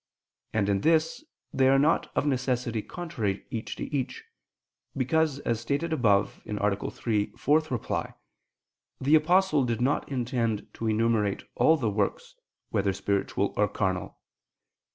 And in this they are not of necessity contrary each to each: because, as stated above (A. 3, ad 4), the Apostle did not intend to enumerate all the works, whether spiritual or carnal.